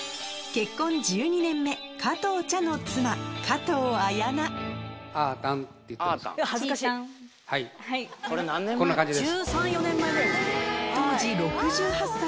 結婚１２年目加藤茶の妻加藤綾菜はいこんな感じです。